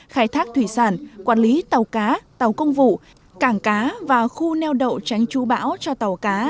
khai thác thủy sản quản lý tàu cá tàu công vụ cảng cá và khu neo đậu tránh chú bão cho tàu cá